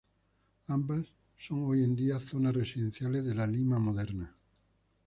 Ambas son hoy en día zonas residenciales de la Lima moderna.